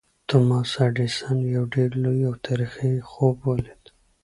توماس ایډېسن یو ډېر لوی او تاریخي خوب ولید